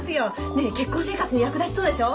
ねえ結婚生活に役立ちそうでしょ？